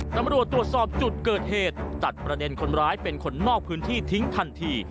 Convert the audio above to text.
ตำรวจตรวจสอบจุดเกิดเหตุตัดประเด็นคนร้ายเป็นคนนอกพื้นที่ทิ้งทันที